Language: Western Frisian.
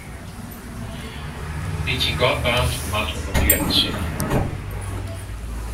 Dy't syn gat baarnt, moat op 'e blierren sitte.